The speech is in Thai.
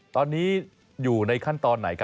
ตอนนี้อยู่ในขั้นตอนไหน